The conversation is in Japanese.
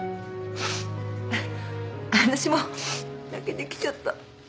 私も泣けてきちゃった。